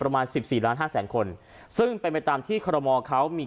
ประมาณสิบสี่ล้านห้าแสนคนซึ่งเป็นไปตามที่คอรมอเขามี